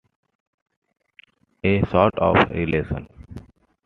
A sort of relation.